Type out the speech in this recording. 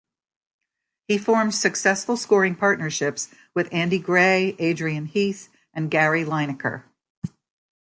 He formed successful scoring partnerships with Andy Gray, Adrian Heath and Gary Lineker.